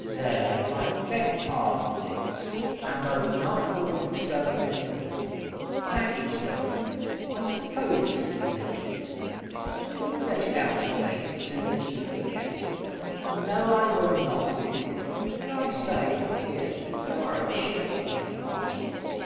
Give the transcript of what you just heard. "There, I beg pardon, Dick, and I will not call you so any more." "Thankye, sir; I s'pose you mean it, but you'll let it out again soon as you forget." "No, I will not, Dick. But, I say, look here: you are a cheat, though, are you not?"